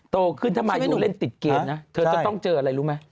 โตขึ้นถ้ามายูเล่นติดเกมนะเธอจะต้องเจออะไรรู้ไหม